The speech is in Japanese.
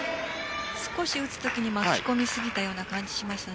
少し打つときに巻き込みすぎたような感じがしましたね。